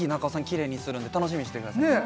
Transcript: キレイにするんで楽しみにしてくださいねえ